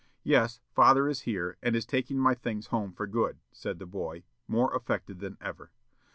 "'Yes; father is here, and is taking my things home for good,' said the boy, more affected than ever.